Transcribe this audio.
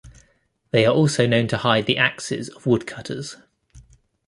They are also known to hide the axes of woodcutters.